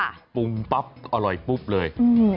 อย่างนี้ปรุงปั๊บอร่อยปุ๊บเลย